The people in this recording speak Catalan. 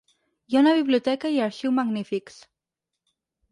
Hi ha una biblioteca i arxiu magnífics.